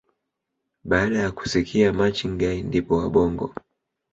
baada ya kusikia maching guy ndipo wabongo